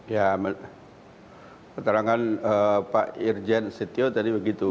ya keterangan pak irjen setio tadi begitu